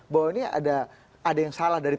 bahwa ini ada yang salah dari